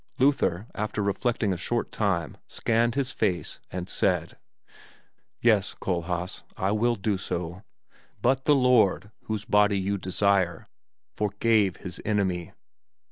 Luther, after reflecting a short time, scanned his face, and said, "Yes, Kohlhaas, I will do so. But the Lord, whose body you desire, forgave his enemy.